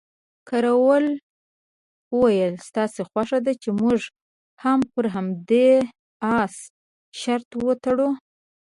کراول وویل، ستاسې خوښه ده چې موږ هم پر همدې اس شرط وتړو؟